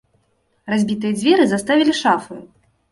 Разбітыя дзверы заставілі шафаю.